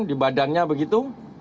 di badannya begitu